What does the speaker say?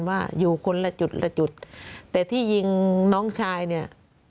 ว่าอยู่คนละจุดละจุดแต่ที่ยิงน้องชายเนี่ย